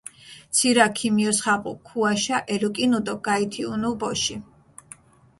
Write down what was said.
ცირაქჷ ქიმიოსხაპუ ქუაშა, ელუკჷნჷ დო გაითიჸუნუ ბოში.